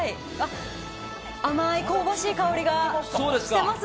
甘い香ばしい香りがしています。